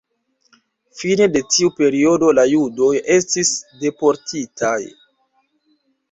Fine de tiu periodo la judoj estis deportitaj.